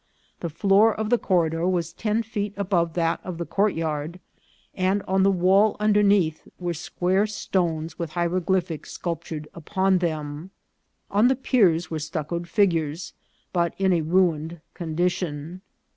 The floor of the cor ridor was ten feet above that of the courtyard, and on the wall underneath were square stones with hiero glyphics sculptured upon them. On the piers were stuccoed figures, but in a ruined condition.